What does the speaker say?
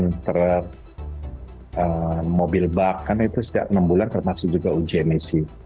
yang ter mobil bak kan itu setiap enam bulan termasuk juga uji emisi